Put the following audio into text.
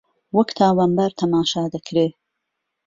وەک تاوانبار تەماشا دەکرێ